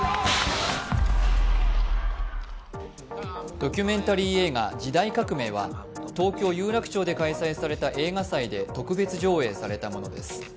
ドキュメンタリー映画「時代革命」は東京・有楽町で開催された映画祭で特別上映されたものです。